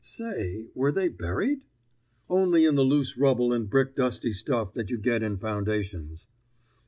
"Say, were they buried?" "Only in the loose rubble and brick dusty stuff that you get in foundations."